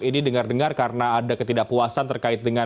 ini dengar dengar karena ada ketidakpuasan terkait dengan